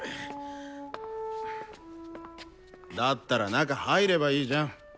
だったら中入ればいいじゃん。